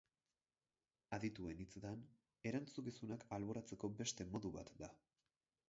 Adituen hitzetan erantzunkizunak alboratzeko beste modu bat da.